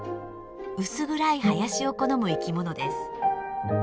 薄暗い林を好む生きものです。